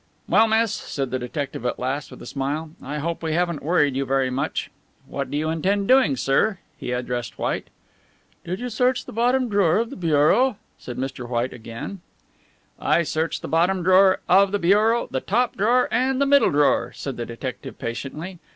"Well, miss," said the detective at last, with a smile, "I hope we haven't worried you very much. What do you intend doing, sir?" He addressed White. "Did you search the bottom drawer of the bureau?" said Mr. White again. "I searched the bottom drawer of the bureau, the top drawer and the middle drawer," said the detective patiently.